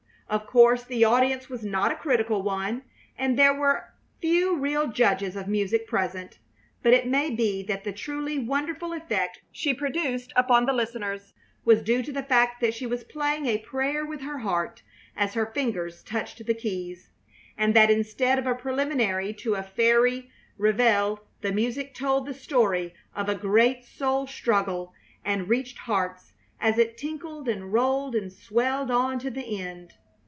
Of course, the audience was not a critical one, and there were few real judges of music present; but it may be that the truly wonderful effect she produced upon the listeners was due to the fact that she was playing a prayer with her heart as her fingers touched the keys, and that instead of a preliminary to a fairy revel the music told the story of a great soul struggle, and reached hearts as it tinkled and rolled and swelled on to the end.